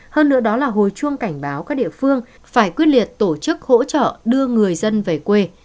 hơn nữa đó là hồi chuông cảnh báo các địa phương phải quyết liệt tổ chức hỗ trợ đưa người dân về quê